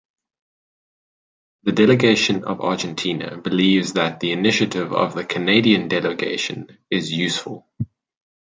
The delegation of Argentina believes that the initiative of the Canadian delegation is useful.